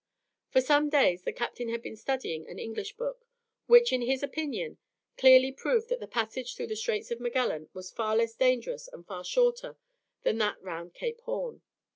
For some days the captain had been studying an English book, which, in his opinion, clearly proved that the passage through the Straits of Magellan was far less dangerous and far shorter than that round Cape Horn.